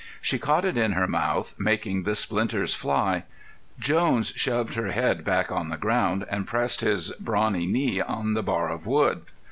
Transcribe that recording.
She caught it in her mouth, making the splinters fly. Jones shoved her head back on the ground and pressed his brawny knee on the bar of wood.